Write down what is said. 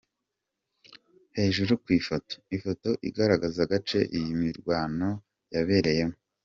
Hejuru ku ifoto: Ifoto igaragaza agace iyi mirwano yabereyemo.